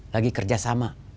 lagi kerja sama